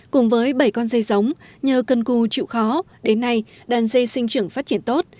cùng với bảy con dây giống nhờ cân cù chịu khó đến nay đàn dê sinh trưởng phát triển tốt